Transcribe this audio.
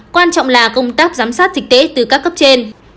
quan trọng là công tác giám sát dịch tễ từ các cấp trên